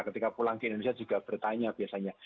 ketika pulang ke indonesia juga bertanya biasanya